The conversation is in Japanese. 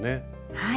はい。